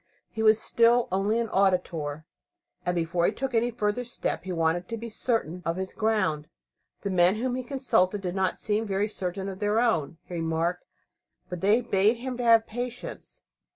He was still only an "auditor," and before he took any further step he wanted to be certain of his ground. The men whom he consulted did not seem very certain of their own, he remarked, but they bade him have patience.